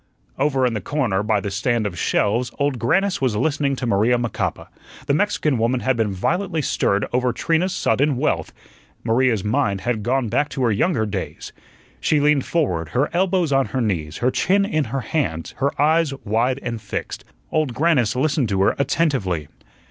Over in the corner, by the stand of shelves, Old Grannis was listening to Maria Macapa. The Mexican woman had been violently stirred over Trina's sudden wealth; Maria's mind had gone back to her younger days. She leaned forward, her elbows on her knees, her chin in her hands, her eyes wide and fixed. Old Grannis listened to her attentively.